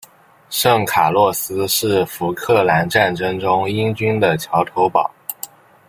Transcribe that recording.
圣卡洛斯是福克兰战争中英军的桥头堡。